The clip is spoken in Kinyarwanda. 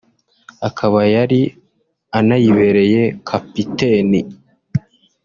akaba yari anayibereye kapiteni